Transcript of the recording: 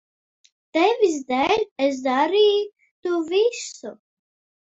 Tevis dēļ es darītu visu.